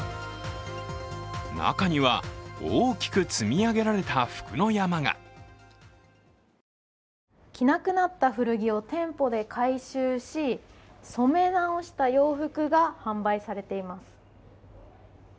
中には大きく積み上げられた服の山が着なくなった古着を店舗で回収し染め直した洋服が販売されています。